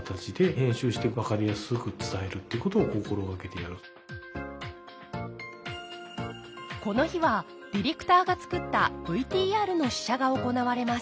我々の番組で言うとこの日はディレクターが作ったＶＴＲの試写が行われます